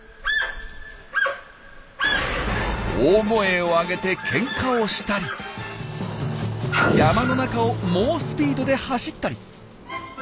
大声を上げてケンカをしたり山の中を猛スピードで走ったり。